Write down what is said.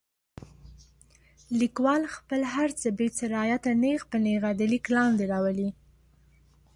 لیکوال خپل هر څه بې څه رعایته نیغ په نیغه د لیک لاندې راولي.